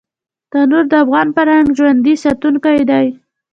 تنور د افغان فرهنګ ژوندي ساتونکی دی